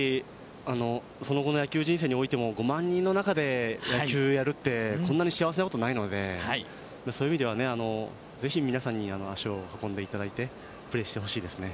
その後の野球人生においても５万人の中で野球をやるってこんな幸せなことはないのでぜひ皆さんに足を運んでいただいてプレーしてほしいですね。